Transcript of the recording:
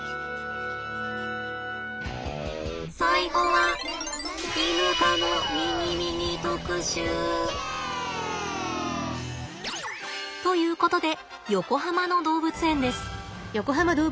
最後はイヌ科のミニミニ特集。ということで横浜の動物園です。